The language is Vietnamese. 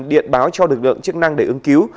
điện báo cho lực lượng chức năng để ứng cứu